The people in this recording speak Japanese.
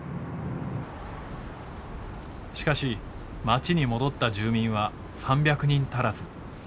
しかし町に戻った住民は３００人足らず。